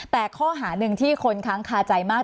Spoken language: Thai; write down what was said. แต่ข้อหาหนึ่งที่คนค้างคาใจมาก